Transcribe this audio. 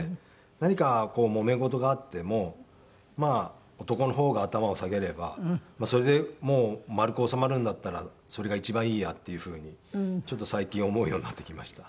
何かもめ事があっても男の方が頭を下げればそれで丸く収まるんだったらそれが一番いいやっていうふうにちょっと最近思うようになってきました。